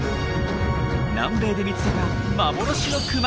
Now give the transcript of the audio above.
南米で見つけた幻のクマ